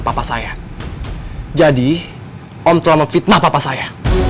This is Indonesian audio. papa saya jadi om telah memfitnah papa saya